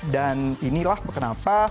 dan inilah kenapa